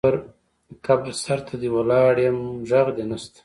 قبر سرته دې ولاړ یم غږ دې نه شــــته